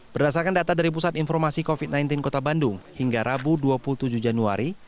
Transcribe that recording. berdasarkan data dari pusat informasi covid sembilan belas kota bandung hingga rabu dua puluh tujuh januari